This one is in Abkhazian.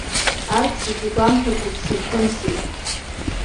Арҭ зегьы гәамҭакәа дзырхымсит.